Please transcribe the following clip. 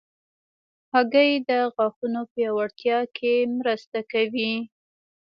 هګۍ د غاښونو پیاوړتیا کې مرسته کوي.